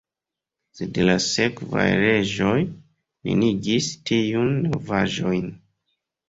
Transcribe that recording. Sed la sekvaj reĝoj neniigis tiujn novaĵojn.